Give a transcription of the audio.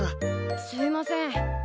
すいません。